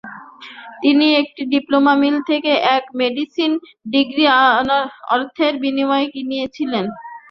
তিনি একটি "diploma mill" থেকে তার মেডিকেল ডিগ্রি অর্থের বিনিময়ে কিনেছিলেন।